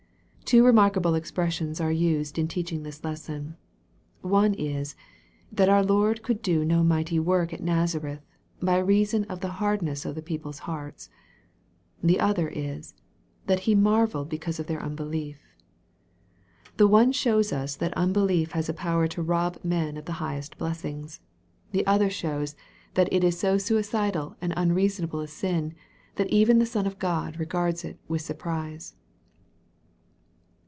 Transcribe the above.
Two remarkable expressions are used in teaching this lesson. One is, that our Lord " could do iiO mighty work" at Nazareth, by reason of the hardness of the people's hearts. The other is, that " He marvelled because of their unbelief." The one shows us that unbelief has a power to rob men of the highest blessings. Th< other 110 EXPOSITORY THOUGHTS. shows that it is so suicidal and unreasonable a sin, that even the Son of God regards it with surprise.